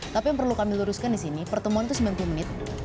tapi yang perlu kami luruskan di sini pertemuan itu sembilan puluh menit